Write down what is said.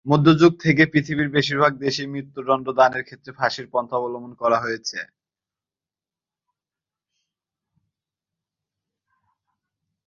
মধ্যযুগ থেকেই পৃথিবীর বেশিরভাগ দেশেই মৃত্যুদণ্ড দানের ক্ষেত্রে ফাঁসির পন্থা অবলম্বন করা হয়েছে।